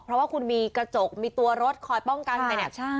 เพราะว่าคุณมีกระจกมีตัวรถคอยป้องกันไปเนี่ย